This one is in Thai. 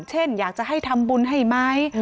เช่นอยากจะให้ทำบุญให้ไหม